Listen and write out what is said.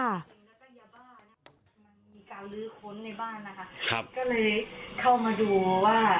มีกาลื้อค้นในบ้านนะคะก็เลยเข้ามาดูว่า